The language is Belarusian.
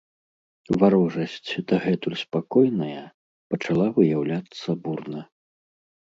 Варожасць, дагэтуль спакойная, пачала выяўляцца бурна.